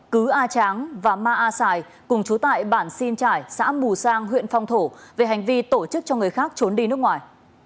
cứ a tráng và ma a sài cùng chú tại bản sin trải xã mù sang huyện phong thổ về hành vi tổ chức cho người khác trốn đi nước ngoài